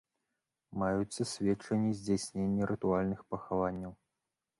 Маюцца сведчанні здзяйснення рытуальных пахаванняў.